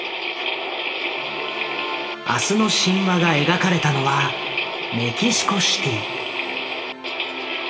「明日の神話」が描かれたのはメキシコシティ。